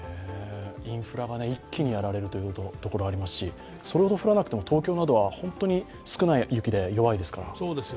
インフラが一気にやられるところがありますし、それほど降らなくても、東京などは本当に少ない雪で弱いですから。